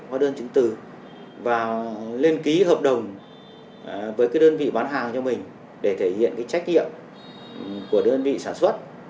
hóa đơn chứng từ và lên ký hợp đồng với cái đơn vị bán hàng cho mình để thể hiện cái trách nhiệm của đơn vị sản xuất